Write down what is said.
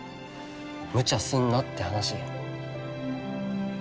むちゃすんなって話。